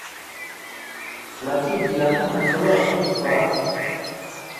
Uracyibwira ko ntashobora kubikora?